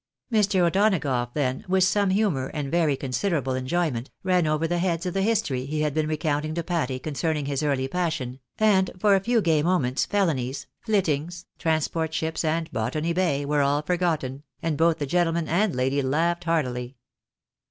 Mr. O'Donagough then, with some humour and very consider able enjoyment, ran over the heads of the history he had been recounting to Patty concerning his early passion, and, for a few gay moments felonies, fittings, transport ships, and Botany Bay, were all forgotten, and both the gentleman and lady laughed heartily.